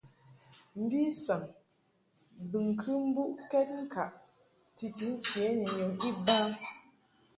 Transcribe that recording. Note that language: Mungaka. Mvi saŋ bɨŋkɨ mbuʼkɛd ŋkaʼ titi nche ni nyum iba.